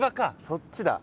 そっちだ。